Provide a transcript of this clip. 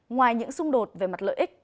ngoài những xung đột về mặt lợi ích